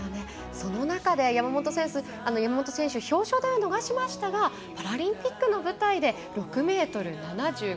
その中で山本選手表彰台を逃しましたがパラリンピックの舞台で６ｍ７５。